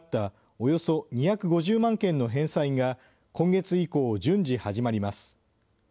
およそ２５０万件の返済が今月以降、順次始まります。